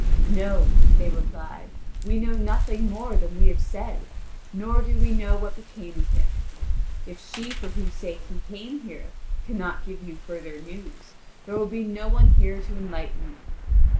"No," they replied; "we know nothing more than we have said, nor do we know what became of him. If she for whose sake he came here, cannot give you further news, there will be no one here to enlighten you.